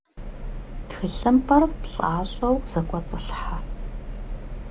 ТхылъымпӀэр плӀащӀэу зэкӀуэцӀылъхьэ.